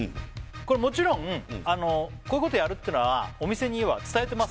これもちろんこういうことやるっていうのはお店には伝えてます